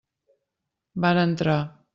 Van entrar.